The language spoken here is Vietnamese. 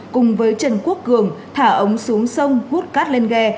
cùng với trần quốc cường thả ống xuống sông hút cát lên ghe